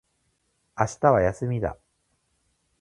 明日は休みだ。